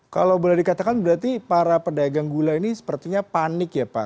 kalau boleh dikatakan berarti para pedagang gula ini sepertinya panik ya pak